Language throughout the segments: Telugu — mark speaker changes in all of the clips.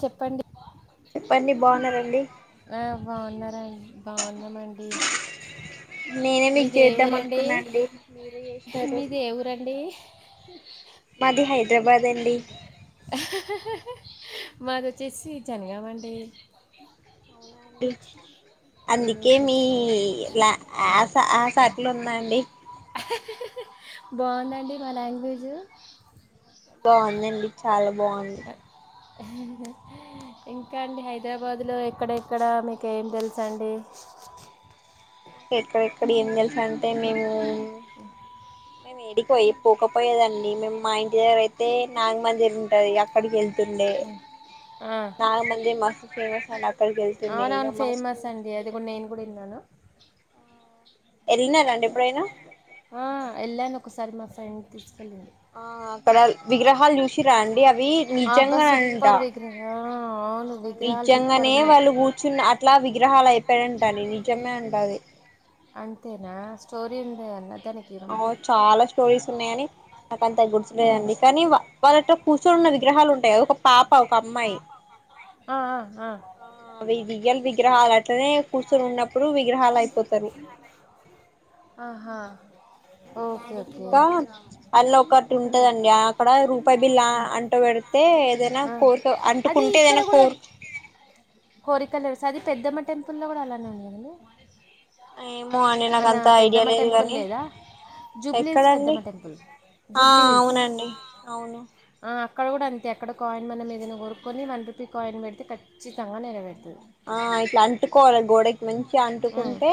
Speaker 1: చెప్పండి
Speaker 2: చెప్పండి బాగున్నారండి
Speaker 1: ఆ బాగున్నార బాగున్నమండి
Speaker 2: నేనే మీకు
Speaker 1: మీది ఏ
Speaker 2: చేద్దాం
Speaker 1: ఊరండి
Speaker 2: అనుకున్నా అండి మీరే చేసినారు
Speaker 1: మీది ఏ ఊరండి హ
Speaker 2: మాది హైదరాబాద్ అండి
Speaker 1: మాది వచ్చేసి జనిగామండి
Speaker 2: అవునా అండి అందికే మీ
Speaker 1: రిలేషన్స్
Speaker 2: లా ఆస ఆ శాకులు ఉన్నాండి
Speaker 1: బాగుందండి మా లాంగ్వేజ్
Speaker 2: బాగుందండి చాలా బాగుంది
Speaker 1: అ ఇంకా అండి హైదరాబాదులో ఎక్కడెక్కడ మీకు ఏం తెలుసు అండి
Speaker 2: ఎక్కడెక్కడ ఏం తెలుసా అంటే మేము మీడికి పోయి పోకపోయేదండి మేము మా ఇంటి దగ్గర అయితే నాగమందిర్ ఉంటది అక్కడకెళ్ ఉండే
Speaker 1: ఆ
Speaker 2: అండి అక్కడికి వెళ్తుండే
Speaker 1: అవున
Speaker 2: ఇక
Speaker 1: అవును
Speaker 2: మా
Speaker 1: ఫేమస్
Speaker 2: స్కూల్
Speaker 1: అండి
Speaker 2: చుట్టూ
Speaker 1: అది కూడా నేను కూడా విన్నాను
Speaker 2: ఎల్లినారండి ఎప్పుడైనా
Speaker 1: ఆ వెళ్ళాను ఒకసారి మా ఫ్రెండ్ తీసుకెళ్ళింది
Speaker 2: ఆ అక్కడ విగ్రహాలు చూసి రండి అవి
Speaker 1: ఆ, అబ్బా
Speaker 2: నిజంగా అంట
Speaker 1: సూపర్ విగ్రహం
Speaker 2: ఆ
Speaker 1: అవును విగ్రహాలు సూపర్
Speaker 2: నిజంగానే మేము
Speaker 1: ఉన్నాయి
Speaker 2: వాళ్ళు కూర్చుని అట్లా విగ్రహాలు అయిపోయింటడి నిజమే ఉంటది
Speaker 1: ఈతే అన్న దానికి ఇవ్వమ్మా.
Speaker 2: అవును చాలా స్టోరీస్ ఉన్నాయ అని నాకంత
Speaker 1: ఆ.
Speaker 2: గుర్తులేదండి కానీ వాళ్ళట్లో కూర్చొని ఉన్న విగ్రహాలు ఉంటాయి ఒక పాప ఒక అమ్మాయి
Speaker 1: ఆ
Speaker 2: ఆ అవి రియల్ విగ్రహాలు అయితేనే కూర్చొని ఉన్నప్పుడు విగ్రహాలు అయిపోతయి
Speaker 1: ఆహా ఓకే ఓకే
Speaker 2: ఇంకా అల్లా ఒకటి
Speaker 1: ఉంటుంది
Speaker 2: ఉంటదండి అక్కడ రూపాయి బిల్ అంట పెడితే ఏదైనా
Speaker 1: ఆ.
Speaker 2: ఫోటో అంటుకుంటే ఏదైనా కోరిక
Speaker 1: కోరికలు అది పెద్దమ్మ టెంపుల్లో కూడా అలానే ఉన్నాండి
Speaker 2: ఏమో అండి నాకు అంత ఐడియా లేదు
Speaker 1: టెంపుల్
Speaker 2: గానీ
Speaker 1: లేదా జూబ్లీ హిల్స్
Speaker 2: ఎక్కడండి
Speaker 1: పెద్దమ్మ టెంపుల్
Speaker 2: ఆ
Speaker 1: జూబ్లీ హిల్స్
Speaker 2: అవునండి అవును
Speaker 1: ఆ, అక్కడ కూడా అంతే అక్కడ కాయిన్ మన ఏదనా కోరుక్కొని వన్ రూపీ కాయిన్ పెడితే ఖచ్చితంగా నెరవేరుతుంది
Speaker 2: ఆ ఇట్లా అంటుకోవాలి గోడకి మంచి
Speaker 1: ఉమ్.
Speaker 2: అంటుకుంటే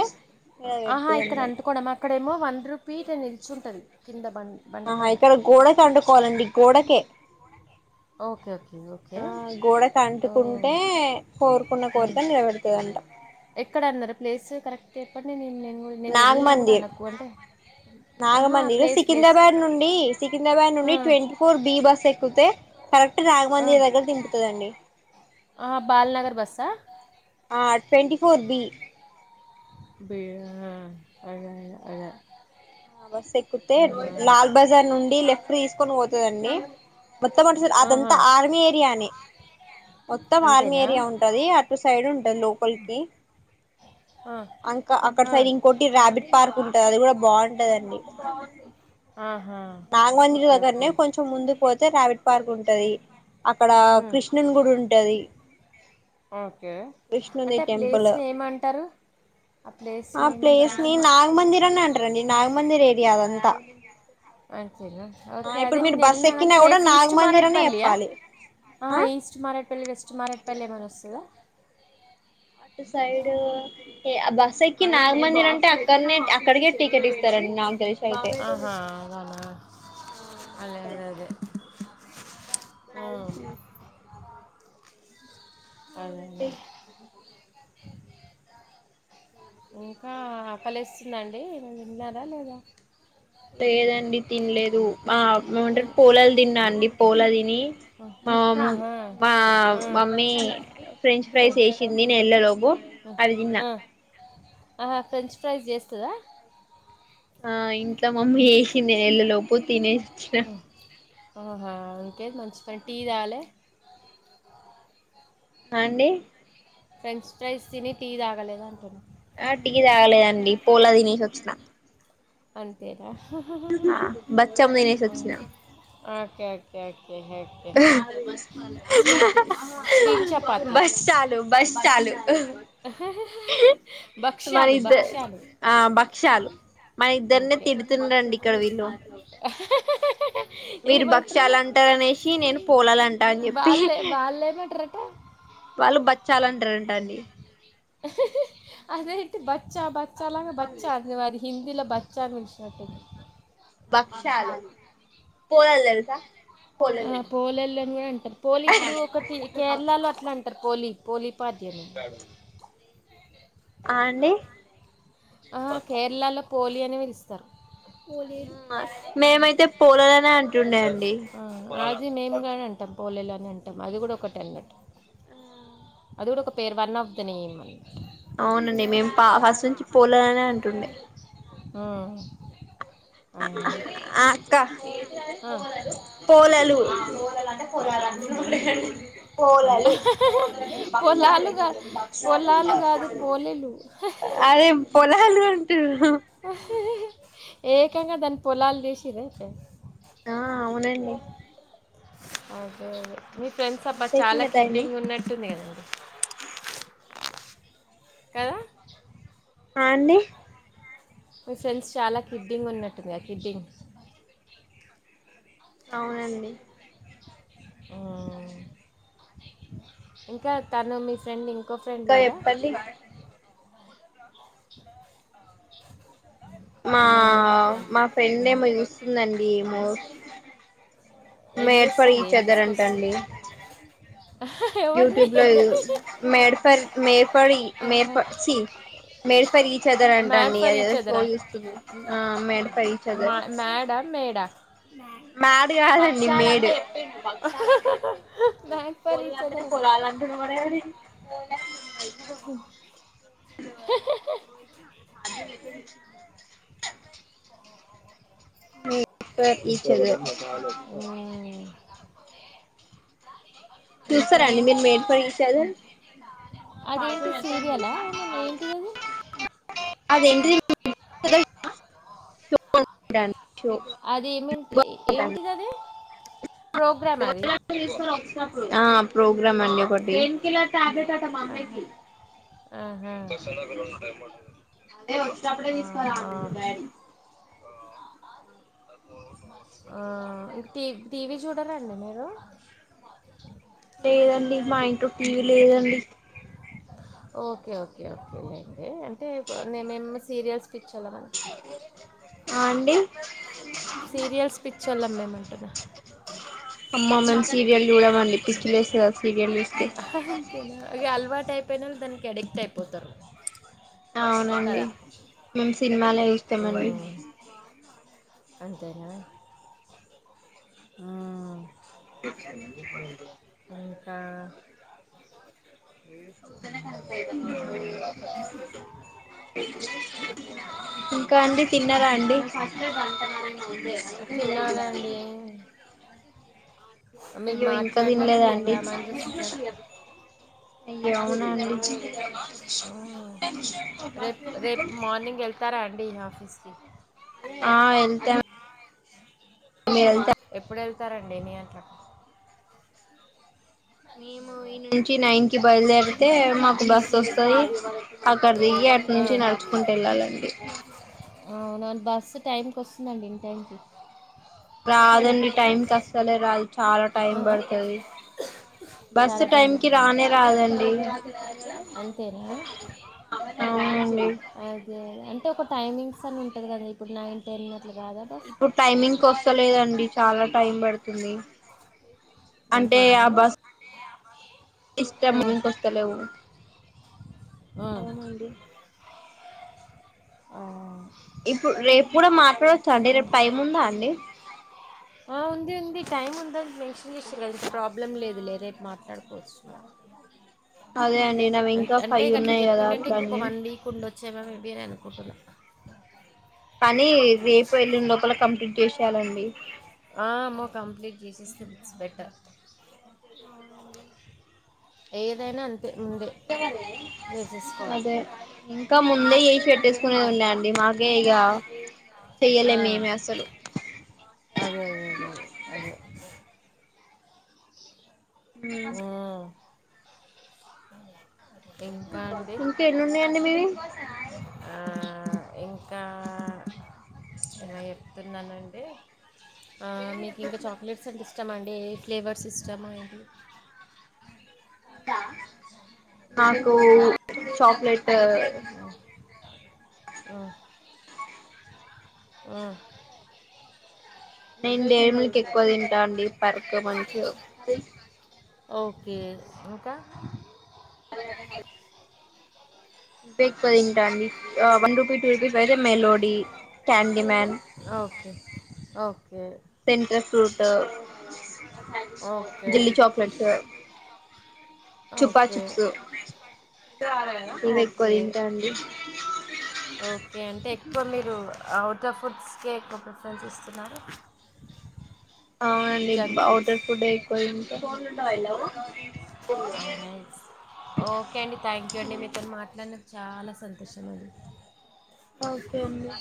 Speaker 1: ఆహా
Speaker 2: నెరవేరుతుంది
Speaker 1: ఇక్కడ
Speaker 2: అండి
Speaker 1: అంటుకోవడమా అక్కడేమో వన్ రూపీ ఎట్లా నిలిచి ఉంటుందా కింద బండ
Speaker 2: ఆహా
Speaker 1: బండపైన
Speaker 2: ఇక్కడ గోడకి అంటుకోవాలి గోడకే
Speaker 1: ఓకే ఓకే ఓకే
Speaker 2: ఆ గోడ
Speaker 1: ఓ
Speaker 2: అంటుకుంటే కోరుకున్న
Speaker 1: ఉమ్.
Speaker 2: కోరితే నిలబెడుతుందంట
Speaker 1: ఎక్కడ అన్నారు ప్లేస్ కరెక్ట్ ఎప్పటి నేను నేను నేను వెళ్ళినా కూడా నకు అంటే ఆహా
Speaker 2: రాగమందిర్
Speaker 1: ప్లేస్ ప్లేస్
Speaker 2: సికింద్రాబాద్ నుండి సికింద్రాబాద్ నుండి ట్వంటీ ఫోర్ బి బస్సు ఎక్కుకితే కరెక్ట్ రాఘమందిర్ దగ్గర దింపుతుందండి
Speaker 1: బాలనగర్ బస్ స
Speaker 2: ఆ ట్వంట ఫోర్ బి
Speaker 1: బ అ అయా
Speaker 2: ఆ బస్ ఎక్కుతే లాల్ బజార్ నుండి లెఫ్ట్ తీసుకొని పోతుందండి మొత్తం అటు సైడ్
Speaker 1: ఆహా,
Speaker 2: అంత ఆర్మీ ఏరియానే మొత్తం ఆర్మీ
Speaker 1: అంతేనా
Speaker 2: ఏరియా ఉంటది అటు సైడ్ ఉంటది లోపలీ కి
Speaker 1: ఆ,
Speaker 2: అంకా అక్కడ
Speaker 1: ఆ,
Speaker 2: సైడ్ ఇంకోటి ర్యాబిట్ పార్క్ ఉంటది అది కూడా బాగుంటంది ఇది బాగుంది
Speaker 1: ఆహా
Speaker 2: నాగమజరి
Speaker 1: ఓకే
Speaker 2: దగ్గరనే
Speaker 1: ఓకే
Speaker 2: కొంచెం ముందు పోతే రావిడ్ పార్క్ ఉంటది అక్కడ కృష్ణన్ గుడి ఉంటది
Speaker 1: ఓకే
Speaker 2: కృష్ణుని
Speaker 1: అంటే ఆ ప్లేస్
Speaker 2: టెంపుల్
Speaker 1: ని ఏమంటారు ఆ
Speaker 2: ఆ
Speaker 1: ప్లేస్‌ని ఏమంటారు
Speaker 2: ప్లేస్ ని
Speaker 1: అసలు?
Speaker 2: నాగమందిర్ అని అంటారండి నాగమందిర్ ఏరియా అదంతా ఆ
Speaker 1: ఓకే
Speaker 2: ఇప్పుడు
Speaker 1: నీను
Speaker 2: మీరు బస్
Speaker 1: వెళ్లిన కానీ
Speaker 2: ఎక్కినా కూడా
Speaker 1: ప్లేస్ ఈస్ట్
Speaker 2: నాగమందిర్ అనే
Speaker 1: మారాట్పలియా
Speaker 2: చెప్పాలి
Speaker 1: ఆ ఈస్ట్ మారాట్పల్లి వెస్ట్ మారాట్పల్లి అనీ వస్తుందా
Speaker 2: అటు సైడ్ బస్ ఎక్కి నాగమందిర్ అంటే అక్కడనే అక్కడికే టికెట్ ఇస్తారండి నాకు దోశ అయితే
Speaker 1: ఆహా! అలానా? అదే అదే అదే.
Speaker 2: నాది
Speaker 1: హ్మ్.
Speaker 2: తిను
Speaker 1: అదే అదే ఇంకా కలిస్తుందండి విన్నారా లేదా
Speaker 2: లేదండి తినలేదు ఏమంటారు
Speaker 1: హ్మ్.
Speaker 2: పూలాలు తిన్నా అండి పోల తిని
Speaker 1: హ్మ్.
Speaker 2: మా
Speaker 1: ఆహా!
Speaker 2: మా
Speaker 1: హ్మ్.
Speaker 2: మమ్మీ ఫ్రెంచ్
Speaker 1: ఆ!
Speaker 2: ఫ్రైస్ వేసింది నేను వెళ్లే లోపు అది తిన్న
Speaker 1: ఆ ఫ్రెంచ్ ఫ్రైస్ చేస్తుందా
Speaker 2: ఆ ఇంట్లో మమ్మీ వేసింది వెళ్లేలోపు తినేసి వచ్చిన
Speaker 1: ఆహా ఓకే మంచి టీ తాలే
Speaker 2: అ అండి
Speaker 1: ఫ్రెంచ్ ఫ్రైస్ తిని తీ తాగలేద అంటున్నా
Speaker 2: ఆ టి తాగలేదండి పోలా తినేసి వచ్చినా
Speaker 1: అంతేరా
Speaker 2: బచ్చం తినేసి వచ్చిన
Speaker 1: ఓకే కేే స్వీట్ స్వీట్ చపాతి
Speaker 2: బస్ చాలు బస్ చ ఆ
Speaker 1: భక్ష్యాలు
Speaker 2: ఇద్ద
Speaker 1: భక్ష్యాలు
Speaker 2: ఆ భక్ష్యాలు మన ఇద్దరినే
Speaker 1: ఓకే కే
Speaker 2: తిడుతుండండి ఇక్కడ వీళ్ళు మీరు భక్ష్యలు అంటార అనేసి నేను పోలాలు అంటా అని చెప్పి
Speaker 1: వాళ్ళే వాళ్ళు ఏమంటారట
Speaker 2: వాళ్ళు బచ్చాలు లంటా రంటండి
Speaker 1: అదేంటి బచ్చా బచ్చలాగా బచ్చా అది మరి హిందీల బచ్చను విలిషినట్టు
Speaker 2: బక్షాలూ పోలలు తెల్స
Speaker 1: ఆ పోలళని అంటారు పోలి ఇప్పుడు ఒకటి కేరళలో అట్లా అంటారు పోలి పోలి ఉపాద్యను
Speaker 2: ఆ అండి
Speaker 1: ఆహా కేరళలో పోలి అనీ విలుస్తారు
Speaker 2: మేమైతే పోలాలనే అంటుండే అండి
Speaker 1: ఆ, అది మేము కూడా అంటాం పోలేలు అని అంటాం అది కూడా ఒక టెన్ అన్నట్టు
Speaker 2: ఆ
Speaker 1: అది కూడా ఒక పేరు వన్ ఆఫ్ ద నెమ్
Speaker 2: అవునండి మేము పా ఫస్ట్ నుంచి పోలాలనే అంటుండే
Speaker 1: ఆ ఆ,
Speaker 2: అక్క
Speaker 1: ఆ.
Speaker 2: పోలాలు ఆ పోలాల అంటే పొరవాలంటే పోలలు
Speaker 1: పొలాలు కా పొలాలు కాదు పోలేలు
Speaker 2: అదేం పొలాలు అంటుర్రు
Speaker 1: ఏకంగా దాని పొలాలు చేసిరా అయితే
Speaker 2: ఆ అవునండి
Speaker 1: అదే అదే మీ ఫ్రెండ్స్ అబ్బా చాలా
Speaker 2: ఎంతైతుందో టైము
Speaker 1: కిడ్డింగ్ ఉన్నట్టుంది కదండి కదా
Speaker 2: ఆ అండి
Speaker 1: మీ ఫ్రెండ్స్ చాలా కిడ్డింగ్ ఉన్నట్టుంది గా కిడ్డింగ్
Speaker 2: అవునండి
Speaker 1: ఆ ఇంకా తను మీస్ ఫ్రెండ్ ఇంకో ఫ్రెండ్
Speaker 2: ఇంకా
Speaker 1: లేదా
Speaker 2: చెప్పండి మా
Speaker 1: మ్మ్,
Speaker 2: మా
Speaker 1: ఇంకా
Speaker 2: ఫ్రెండ్ ఏమో చూస్తుందండి ఏమో
Speaker 1: ఏం
Speaker 2: మేడ్ ఫర్
Speaker 1: చేస్తుంది
Speaker 2: ఈచ్
Speaker 1: ఏం
Speaker 2: అదర్ అంటండి
Speaker 1: తీసుకొస్తుంది ఎవరిని
Speaker 2: యూట్యూబ్ లో మేడ్ ఫర్ మేడ్ ఫర్ ఈ మేడ్ ఫర్ చి మేడ్ ఫర్ ఈచ్ అదర్ అంటా
Speaker 1: మ్యాడ్
Speaker 2: అండి
Speaker 1: ఫర్ ఈచ్
Speaker 2: అదేదో షో
Speaker 1: అదరా
Speaker 2: చూస్తున్నం ఆ మేడ్ ఫర్ ఈచ్ అదర్
Speaker 1: మేడ
Speaker 2: మ్యాడ్ కాదండి మేడ్ చెప్పిండు భక్షాలు అంటె చేప్పిండు బక్షాలనా
Speaker 1: మ్యాడ్ ఫర్
Speaker 2: పొలలు
Speaker 1: ఈచ్
Speaker 2: అంటనే
Speaker 1: అదరా
Speaker 2: పొలలంటుండు వాడే అది
Speaker 1: కు
Speaker 2: అదే మేడ్ ఫర్ ఈచ్ అదర్
Speaker 1: ఇంకా
Speaker 2: చూస్తారాండి మీరు మేడ్ ఫర్ ఈచ్ అదర్ సా
Speaker 1: అదేంటి
Speaker 2: వచ్చం
Speaker 1: సీరియలా
Speaker 2: చేసా
Speaker 1: ఏమన్నా ఏంటిది అది
Speaker 2: అదేంటిది షో
Speaker 1: అది ఏమంటే ఏంటిది అది ప్రోగ్రామ్ అది
Speaker 2: ఆ ప్రోగ్రామ్ అండి ఒకటి
Speaker 1: ఆహా, ఆహా,
Speaker 2: అదే వచ్చేప్పుడే తీసుకురాా
Speaker 1: ఆహా.
Speaker 2: బీ ఆ
Speaker 1: ఇంకా టీవ టీవీ చూడరండి మీరు
Speaker 2: లేదండి మా ఇంట్ వ లేదండి
Speaker 1: ఓకే ఓకే ఓకే అ నేను ఏం అన్ సి
Speaker 2: ఆ అండి
Speaker 1: సీరియల్స్ పిక్చర్లుమ్మేమంటున్నా
Speaker 2: అమ్మా మేం సీరియల్ చూడమండి పిక్చ్చలుస్తు కా సీరియల్ చూస్తే
Speaker 1: పెైనలు దానికి అడిక్ట్ అయిపోతారు
Speaker 2: అవునండి
Speaker 1: కదా
Speaker 2: మేము సినిమాలే చూస్తామండి
Speaker 1: మ్మ్. అంతేనా ఆ
Speaker 2: [inaudible]
Speaker 1: ఇంకా
Speaker 2: [inaudible]
Speaker 1: ఆ,
Speaker 2: ఇంకా అండి తిన్నారా అండి
Speaker 1: తినాలండి మీరు
Speaker 2: అయ్యో ఇంకా
Speaker 1: మాట్లాడినాక
Speaker 2: తినలేదండి
Speaker 1: తిందామని చూస్తున్నా
Speaker 2: అయ అవునాజ
Speaker 1: ఉ రేపు రేపు మార్నింగ్ వెళ్తారా అండి ఈ ఆఫీస్కి
Speaker 2: ఆ వెళ్తేా
Speaker 1: ఎప్పుడు వెళ్తారండి నీ అట్లా
Speaker 2: మేము ఈ నుంచి నైన్ కి బయలుదేరితే మాకు బస్ వస్తాది క్కడ దియగి అటు నుంచి నడుచుకుంటూ వెళ్ళాలండి
Speaker 1: అవున బస్సు టైంకి వస్తుందండిండి థ్యాంక్ యూ
Speaker 2: రాదండి టైం కస్తలే రాదు చాలా టైం
Speaker 1: ఆ,
Speaker 2: పడుతుది బస్సు
Speaker 1: చాలా టైం
Speaker 2: టైంకిి
Speaker 1: పడుతుందా
Speaker 2: రానే రాదండి
Speaker 1: అంతేనా
Speaker 2: అవునండి
Speaker 1: అదే అంటే ఒక టైమింగ్స్ అని ఉంటది కదా ఇప్పుడు నైన్ టెన్ అట్లా కాదా బస్
Speaker 2: ఇప్పుడు టైమింగ్ వస్తలేదండి చాలా టైం పడుతుంది
Speaker 1: అంతేనా
Speaker 2: ఇష్ట
Speaker 1: ఆ,
Speaker 2: మ కస్తతలే ఊ
Speaker 1: ఆ,
Speaker 2: అలా అడి
Speaker 1: ఆ
Speaker 2: ఇప్పుడు రేపు కూడా
Speaker 1: ఆ. అదంది టైం ఉంద మెన్షన్ చేస్తారు కదా ప్రాబ్లం లేదు
Speaker 2: అదే
Speaker 1: సమ మీ బర అనుకుంటున్నా
Speaker 2: పని రేపు వెళండు లోూపల కంప్లీట్ చేసేయాలండి
Speaker 1: అమ్మో కంప్లీట్ చేసేస్తే బిస్ బెటర్ ఏదైనా అం
Speaker 2: అదే ఇంకా ముందయి పెట్టేసుకునేది ఉన్నాయంండి మాకే ఇగ
Speaker 1: ఆ
Speaker 2: చెయ్యలే మేమే అసలు
Speaker 1: అదే అదే అదే అదే ఆ,
Speaker 2: ఉ
Speaker 1: ఇంకా అండి
Speaker 2: ఇంకా ఎన్నున్నాయండి మీవి
Speaker 1: ఆ ఇంకా ఏమో చెప్తున్నానండి మీకు ఇంకా చాక్లెట్స్ అంటే ఇష్టామ అండి ఏ ఫ్లేవర్స్ ఇస్తాము ఏంటి
Speaker 2: నాకు చాక్లెట్
Speaker 1: ఆ ఆ అ
Speaker 2: నేను డేములకి ఎక్కువ తింటా అండి పర్కు మంచి
Speaker 1: ఓకే ఇంకా
Speaker 2: [unintelligible] బేఎక్కువ తింటా అండి ఆ వన్ రుపీ టూ రూపీస్ వైతే melody Candyman
Speaker 1: okay okay
Speaker 2: centre fruit
Speaker 1: okay
Speaker 2: jelly chocolates Chupa
Speaker 1: okay
Speaker 2: chips ఇవ్వే ఎక్కువ
Speaker 1: ఓకే
Speaker 2: తింటా అండి
Speaker 1: ఓకే అంటే ఎక్కువ మీరు అవుట్ర్ ఆఫ్ ఫుడ్స్కే ఎక్కువ ప్రిఫర్ చేస్తున్నారు
Speaker 2: అవునండి ఔటర్ ఫుడ్ ఎక్కువ తింటాం
Speaker 1: ఓకే అండి థ్యాంక్ యూ అండి మీతోనీ మాట్లాదడినందుకు నాకు చాలా సం
Speaker 2: ఓకే అండి